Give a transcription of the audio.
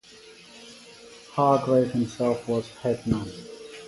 Hargrave himself was 'Head Man'.